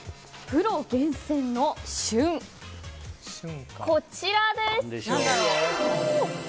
プロ厳選の旬、こちらです。